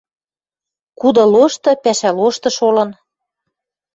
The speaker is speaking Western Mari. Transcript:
Кудылошты, пӓшӓ лошты шолын